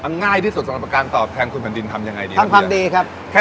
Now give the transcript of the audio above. อันง่ายที่สุดสำหรับการตอบแทนคุณแผ่นดินทำอย่างไรดีครับเฮีย